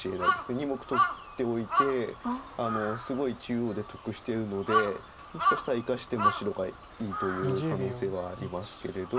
２目取っておいてすごい中央で得してるのでもしかしたら生かしても白がいいという可能性はありますけれど。